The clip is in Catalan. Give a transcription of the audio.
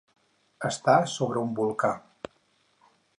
Estar sobre un volcà.